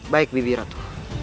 baik bibi ratu